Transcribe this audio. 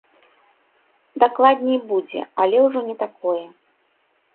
Дакладней будзе, але ўжо не такое.